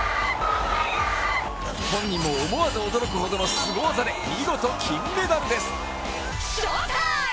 本人も思わず驚くほどのすご技で見事金メダルです。